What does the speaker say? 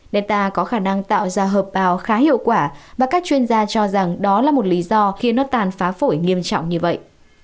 netan có khả năng tạo ra hợp bào khá hiệu quả và các chuyên gia cho rằng đó là một lý do khi nó tàn phá phổi nghiêm trọng như vậy